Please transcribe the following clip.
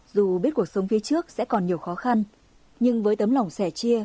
dù biết cuộc sống phía trước sẽ còn nhiều khó khăn nhưng với tấm lòng sẻ chia